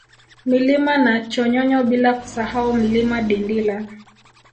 Milima ya Chonyonyo bila kusahau Mlima Dindila